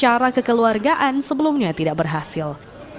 cara kekeluargaan sebelumnya tidak berhasil